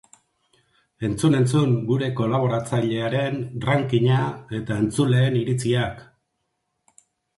Entzun entzun gure kolaboratzailearen ranking-a eta entzuleen iritziak!